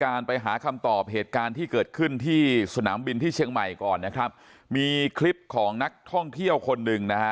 การไปหาคำตอบเหตุการณ์ที่เกิดขึ้นที่สนามบินที่เชียงใหม่ก่อนนะครับมีคลิปของนักท่องเที่ยวคนหนึ่งนะฮะ